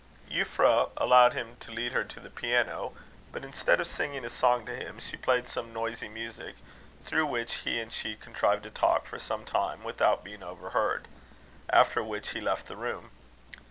Euphra allowed him to lead her to the piano; but instead of singing a song to him, she played some noisy music, through which he and she contrived to talk for some time, without being overheard; after which he left the room.